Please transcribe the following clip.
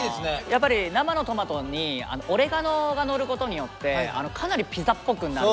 やっぱり生のトマトにオレガノがのることによってかなりピザっぽくなる。